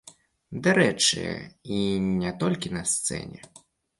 Дарэчы, і не толькі на сцэне.